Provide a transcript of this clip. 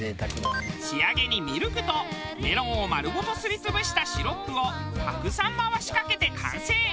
仕上げにミルクとメロンを丸ごとすり潰したシロップをたくさん回しかけて完成。